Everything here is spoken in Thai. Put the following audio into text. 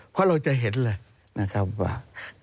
เพราะเราจะเห็นเลยนะครับว่า